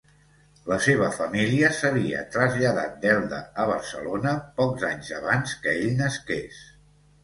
La seva família s'havia traslladat d'Elda a Barcelona pocs anys abans que ell nasqués.